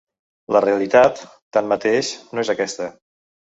La realitat, tanmateix, no és aquesta.